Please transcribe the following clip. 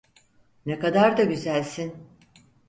Ne kadar da güzelsin.